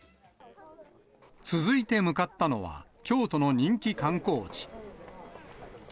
続いて向かったのは、京都の人気観光地。